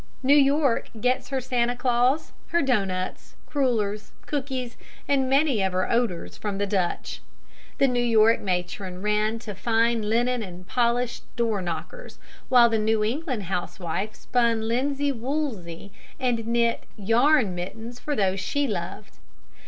New York gets her Santa Claus, her doughnuts, crullers, cookies, and many of her odors, from the Dutch. The New York matron ran to fine linen and a polished door knocker, while the New England housewife spun linsey woolsey and knit "yarn mittens" for those she loved.